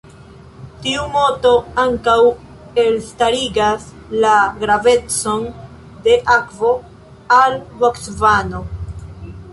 Tiu moto ankaŭ elstarigas la gravecon de akvo al Bocvano.